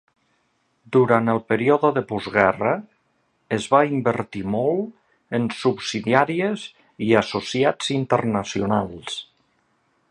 Durant el període de postguerra, es va invertir molt en subsidiàries i associats internacionals.